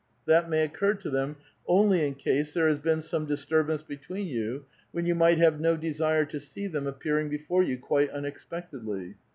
That may occur to them only in case there has been some disturbance between you, when you might have no desire to see them appearing before you quite unexpectedly.